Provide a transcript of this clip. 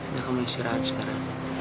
ya kamu istirahat sekarang